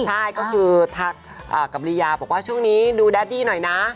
ใช่ก็คือทักกับลียาบอกว่าช่วงนี้ดูแดดดี้หน่อยนะ